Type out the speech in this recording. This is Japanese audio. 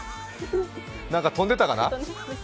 何か飛んでたかな。